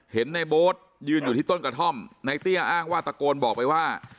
ในโบ๊ทยืนอยู่ที่ต้นกระท่อมในเตี้ยอ้างว่าตะโกนบอกไปว่า